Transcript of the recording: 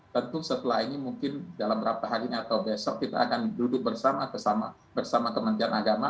tentu setelah ini mungkin dalam beberapa hari ini atau besok kita akan duduk bersama kementerian agama